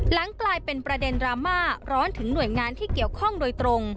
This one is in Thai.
หลังกลายเป็นประเด็นดราม่าร้อนถึงหน่วยงานที่เกี่ยวข้องโดยตรง